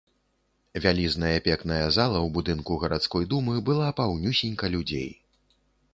Вялізная пекная зала ў будынку гарадской думы была паўнюсенька людзей.